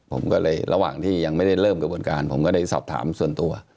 ผมก็เลยระหว่างที่ยังไม่ได้เริ่มกระบวนการผมก็ได้สอบถามส่วนตัว